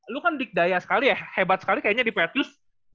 lu kan di daya sekali ya hebat sekali kayaknya di petrus